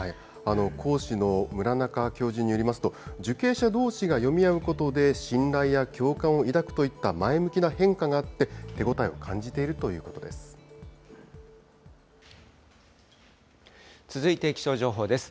講師の村中教授によりますと、受刑者どうしが読み合うことで、信頼や共感を抱くといった前向きな変化があって、手応えを感じて続いて気象情報です。